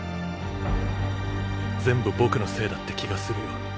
全部僕のせいだって気がするよ。